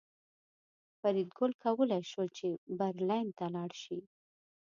فریدګل کولی شول چې برلین ته لاړ شي